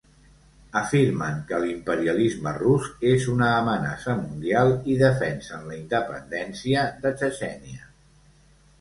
Afirmen que l'imperialisme rus és una amenaça mundial i defensen la independència de Txetxènia.